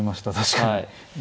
確かに。